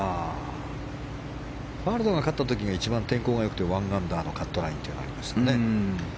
ファルドが勝った時は一番天候が良くて１アンダーのカットラインというのがありました。